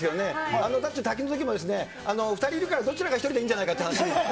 あのたっち、滝のときも、２人いるから、どちらか１人でいいんじゃないかっていう話。